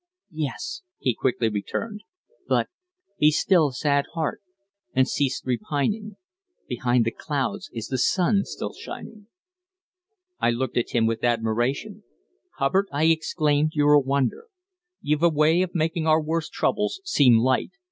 '" "Yes," he quickly returned; "but "'Be still, sad heart, and cease repining; Behind the clouds is the sun still shining.'" I looked at him with admiration. "Hubbard," I exclaimed, "you're a wonder! You've a way of making our worst troubles seem light.